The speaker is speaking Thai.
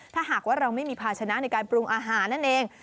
ถ้าหากว่าเราไม่มีภาชนะในการปรุงอาหารนั่นเอง